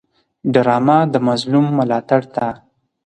ډرامه د مظلوم ملاتړ ده